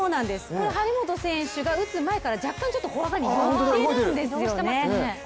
張本選手が打つ前から若干フォア側に寄っているんですよね。